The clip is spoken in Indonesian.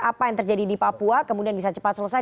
apa yang terjadi di papua kemudian bisa cepat selesai